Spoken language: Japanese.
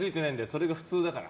それが普通だから。